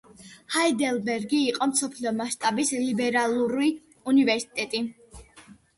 ჰაიდელბერგი იყო მსოფლიო მასშტაბის ლიბერალური უნივერსიტეტი.